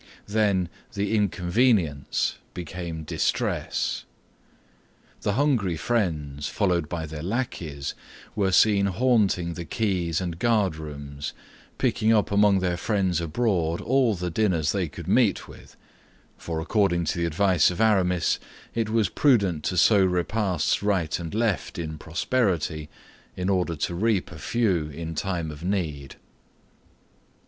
Then the inconvenience became distress. The hungry friends, followed by their lackeys, were seen haunting the quays and Guard rooms, picking up among their friends abroad all the dinners they could meet with; for according to the advice of Aramis, it was prudent to sow repasts right and left in prosperity, in order to reap a few in time of need.